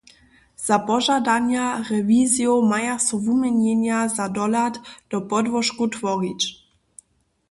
Za požadanja rewizijow maja so wuměnjenja za dohlad do podłožkow tworić.